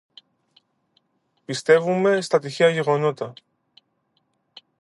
Πιστεύουμε στα τυχαία γεγονότα,